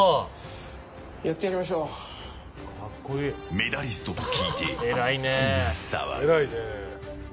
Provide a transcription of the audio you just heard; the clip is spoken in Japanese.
メダリストと聞いて血が騒ぐ。